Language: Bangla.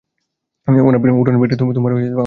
উটনীর পিঠে তোমরা কখনও আমাকে দেখনি?